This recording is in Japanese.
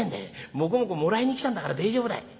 もこもこもらいに来たんだから大丈夫だよ」。